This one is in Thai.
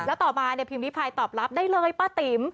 แล้วต่อมาพิมพ์รีไพรตอบรับได้เลยป้าติ๋ม